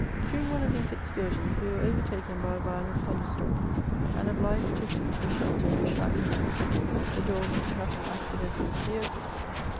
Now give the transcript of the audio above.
Dining one of these excursions, we were overtaken by a violent thunder storm, and obliged to seek for shelter in a shabby house, the door of which happened accidentally to be open.